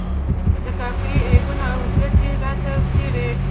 د قافیې عیبونه او ګټې راته څیړي.